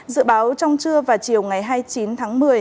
dự báo trong trưa và chiều ngày hai mươi chín tháng một mươi